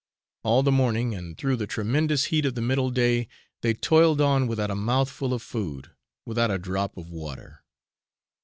All the morning, and through the tremendous heat of the middle day, they toiled on without a mouthful of food without a drop of water.